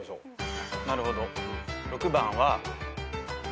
なるほど。